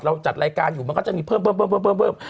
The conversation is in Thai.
จัดรายการอยู่มันก็จะมีเพิ่ม